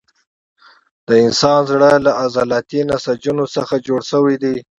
د انسان زړه له عضلاتي نسجونو څخه جوړ شوی دی.